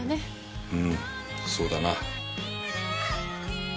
うんそうだな。